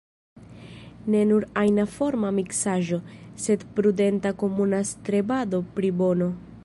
Ne nur ajna-forma miksaĵo, sed prudenta komuna strebado pri bono.